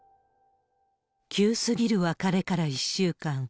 急すぎる別れから１週間。